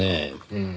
うん。